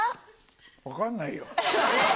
分かんないよ。え！